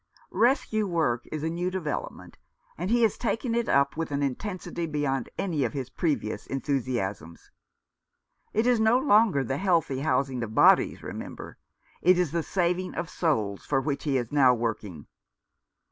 Rescue work is a new development, and he has taken it up with an intensity beyond any of his previous enthusiasms. It is no longer the healthy housing of bodies, remember. It is the saving of souls for which he is now working.